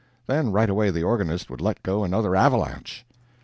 Then right away the organist would let go another avalanche.